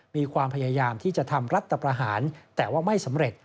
มีความพยายามที่จะทำรัฐประหารแต่ว่าไม่สำเร็จ